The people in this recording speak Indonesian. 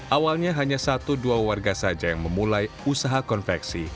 awalnya hanya satu dua warga saja yang memulai usaha konveksi